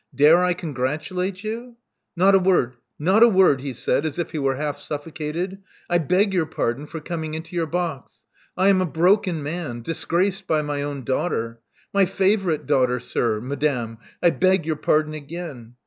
*'Dare I congratulate you?" Not a word — not a word," he said, as if he were half suffocated. I beg your pardon for coming into your box. I am a broken man — disgraced by my own daughter. My favorite daughter, sir — madame — I beg your pardon again.